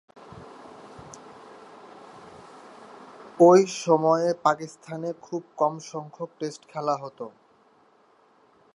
ঐ সময়ে পাকিস্তানে খুব কমসংখ্যক টেস্ট খেলা হতো।